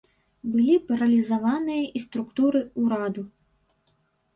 Былі паралізаваныя і структуры ўраду.